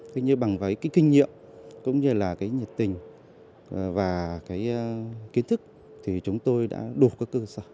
tuy nhiên bằng cái kinh nghiệm cũng như là cái nhiệt tình và cái kiến thức thì chúng tôi đã đột